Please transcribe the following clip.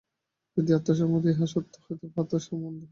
যদি আত্মা সম্বন্ধে ইহা সত্য হয়, তবে আত্মাও বদ্ধ।